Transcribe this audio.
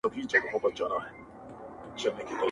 د ښار کوڅې به وي لښکر د ابوجهل نیولي؛